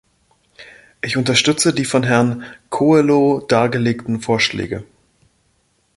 Ich unterstütze die von Herrn Coelho dargelegten Vorschläge.